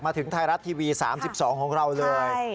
ถึงไทยรัฐทีวี๓๒ของเราเลย